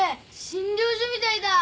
診療所みたいだ！